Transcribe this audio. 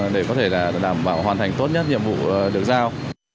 để có thể đảm bảo hoàn thành tốt nhất nhiệm vụ được giao